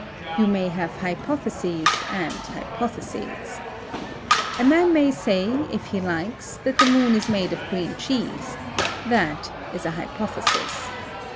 You may have hypotheses, and hypotheses. A man may say, if he likes, that the moon is made of green cheese: that is an hypothesis.